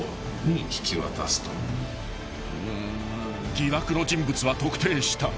［疑惑の人物は特定した］